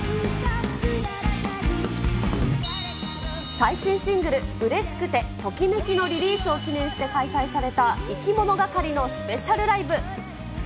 最新シングル、うれしくて／ときめきのリリースを記念して開催されたいきものがかりのスペシャルライブ。